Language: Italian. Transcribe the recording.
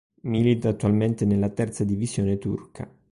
Milita attualmente nella terza divisione turca.